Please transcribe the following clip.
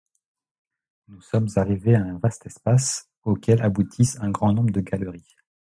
Nous sommes arrivés à un vaste espace, auquel aboutissent un grand nombre de galeries.